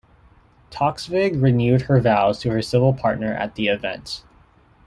Toksvig renewed her vows to her civil partner at the event.